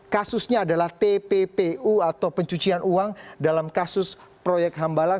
kasusnya adalah tppu atau pencucian uang dalam kasus proyek hambalan